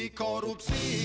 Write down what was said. kata ini lagi selalu menghantui